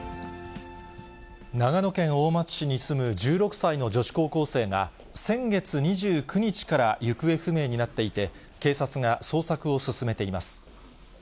長野県大町市に住む１６歳の女子高校生が、先月２９日から行方不明になっていて、警察が捜索を進めています。